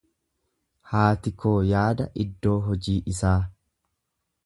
Haati koo yaada iddoo hojii isaa.